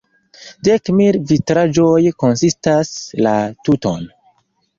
Dek mil vitraĵoj konsistas la tuton.